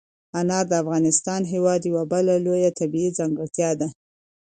انار د افغانستان هېواد یوه بله لویه طبیعي ځانګړتیا ده.